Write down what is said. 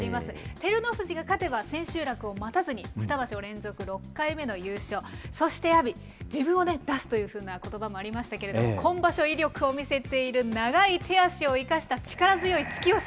照ノ富士が勝てば、千秋楽を待たずに２場所連続６回目の優勝、そして阿炎、自分を出すというふうなことばもありましたけれども、今場所、威力を見せている長い手足を生かした力強い突き押し。